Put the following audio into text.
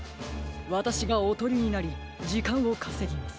わたしがおとりになりじかんをかせぎます。